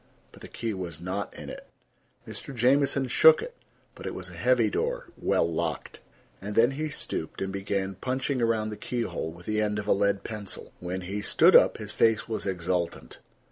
But the key was not in it. Mr. Jamieson shook it, but it was a heavy door, well locked. And then he stooped and began punching around the keyhole with the end of a lead pencil. When he stood up his face was exultant.